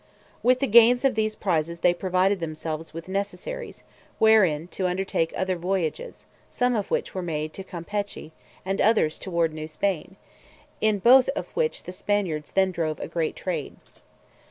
With the gains of these prizes they provided themselves with necessaries, wherewith to undertake other voyages, some of which were made to Campechy, and others toward New Spain; in both which the Spaniards then drove a great trade.